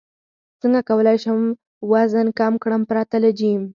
څنګه کولی شم وزن کم کړم پرته له جیم